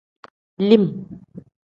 Lim.